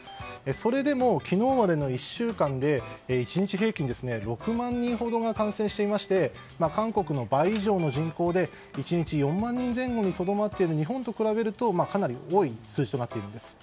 それでも昨日までの１週間で１日平均６万人ほどが感染していまして韓国の倍以上の人口で１日４万人前後にとどまっている日本と比べるとかなり多い数字となっているんです。